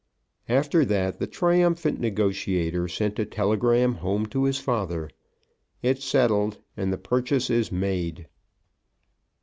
After that the triumphant negotiator sent a telegram home to his father, "It is settled, and the purchase is made."